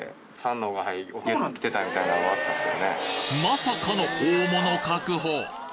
まさかの大物確保！